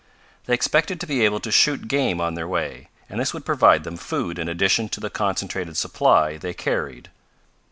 They expected to be able to shoot game on their way, and this would provide them food in addition to the concentrated supply they carried.